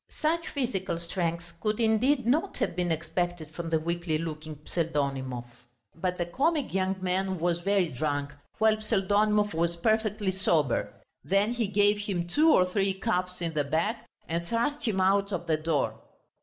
Such physical strength could indeed not have been expected from the weakly looking Pseldonimov. But the comic young man was very drunk, while Pseldonimov was perfectly sober. Then he gave him two or three cuffs in the back, and thrust him out of the door.